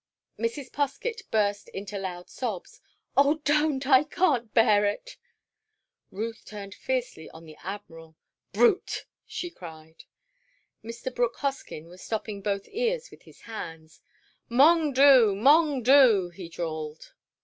Mrs. Poskett burst into loud sobs. "Oh, don't!—I can't bear it!" Ruth turned fiercely on the Admiral. "Brute!" she cried. Mr. Brooke Hoskyn was stopping both ears with his hands. "Mong doo! Mong doo!" he drawled.